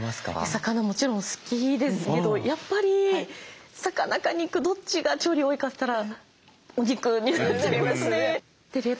魚もちろん好きですけどやっぱり魚か肉どっちが調理多いかといったらお肉になっちゃいますね。